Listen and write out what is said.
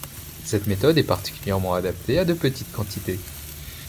Cette méthode est particulièrement adaptée à de petites quantités.